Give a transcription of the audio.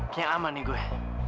kayaknya aman nih gue